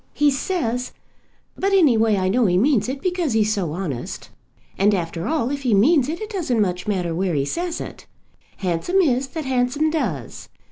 He says; but any way I know he means it because he's so honest. And after all if he means it, it doesn't much matter where he says it. Handsome is that handsome does.